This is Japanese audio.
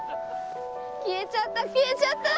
消えちゃった消えちゃった！